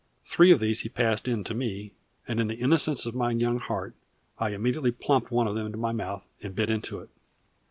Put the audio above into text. Three of these he passed in to me, and in the innocence of my young heart I immediately plumped one of them into my mouth, and bit into it.